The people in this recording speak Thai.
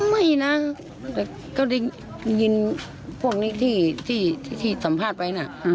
ไม่นะแต่ก็ได้ยินพวกนี้ที่สัมภาษณ์ไปนะ